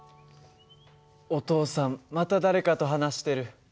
お父さんまた誰かと話してる。